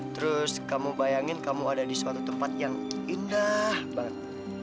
terus kamu bayangin kamu ada di suatu tempat yang indah banget